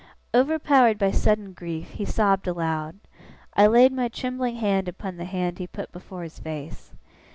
Overpowered by sudden grief, he sobbed aloud. I laid my trembling hand upon the hand he put before his face.